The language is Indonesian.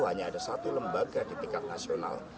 hanya ada satu lembaga di tingkat nasional